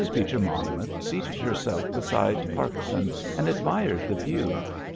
Beecher Monmouth seated herself beside Parkson and admired the view.